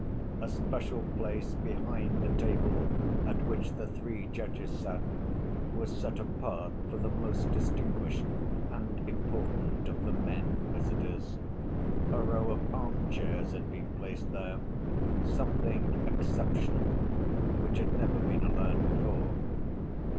A special place behind the table at which the three judges sat was set apart for the most distinguished and important of the men visitors; a row of arm‐chairs had been placed there—something exceptional, which had never been allowed before.